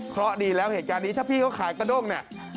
เพราะดีแล้วเหตุการณ์นี้ถ้าพี่เขาขายกระด้งเนี่ย